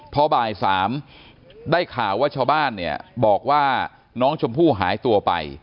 พอบ่าย๓ได้ข่าวว่าชาวบ้านเนี่ยบอกว่าน้องชมพู่หายตัวไป